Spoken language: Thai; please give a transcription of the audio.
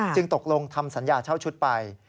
ตกลงทำสัญญาเช่าชุดไป